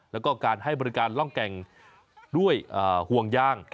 แล้วก็การให้บริการร่องแก่งด้วยห่วงยาง